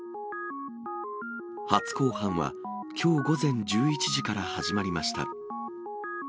初公判は、きょう午前１１時から始まりました。